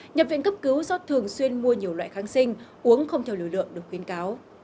nhập viện cấp cứu do thường xuyên mua nhiều loại kháng sinh uống không theo lưu lượng được khuyến cáo